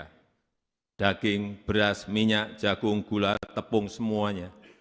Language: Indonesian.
harga daging beras minyak jagung gula tepung semuanya